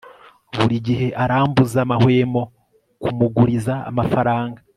buri gihe arambuza amahwemo kumuguriza amafaranga